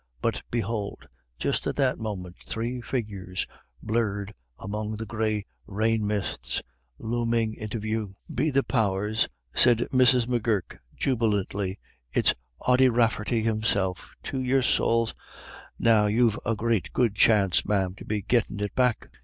But behold, just at that moment three figures, blurred among the gray rain mists, looming into view. "Be the powers," said Mrs. M'Gurk, jubilantly, "it's Ody Rafferty himself. To your sowls! Now you've a great good chance, ma'am, to be gettin' it back.